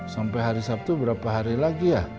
sampai hari sabtu berapa hari lagi ya